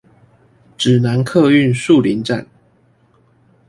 指南客運樹林站